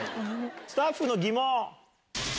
スタッフの疑問。